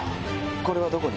これはどこに？